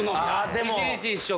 一日１食。